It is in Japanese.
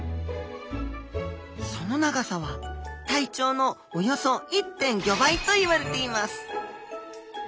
その長さは体長のおよそ１．５倍といわれています